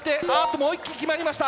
もう一機決まりました